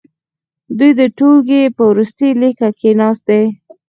دوی د ټوولګي په وروستي لیکه کې ناست دي.